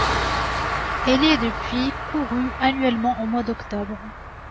Elle est depuis courue annuellement au mois d'octobre.